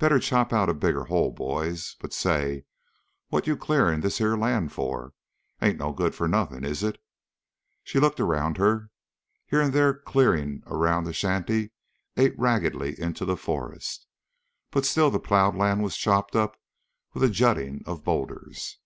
Better chop out a bigger hole, boys. But, say, what you clearing this here land for? Ain't no good for nothing, is it?" She looked around her. Here and there the clearing around the shanty ate raggedly into the forest, but still the plowed land was chopped up with a jutting of boulders.